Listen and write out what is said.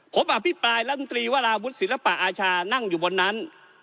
ผมอภิปรายรัฐมนตรีวราวุฒิศิลปะอาชานั่งอยู่บนนั้น